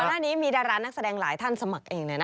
หน้านี้มีดารานักแสดงหลายท่านสมัครเองเลยนะ